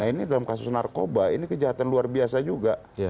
nah ini dalam kasus narkoba ini kejahatan luar biasa juga